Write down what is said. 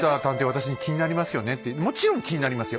私に「気になりますよね？」ってもちろん気になりますよ。